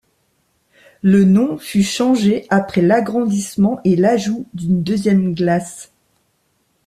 Le nom fut changé après l'agrandissement et l'ajout d'une deuxième glace.